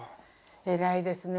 偉いですね。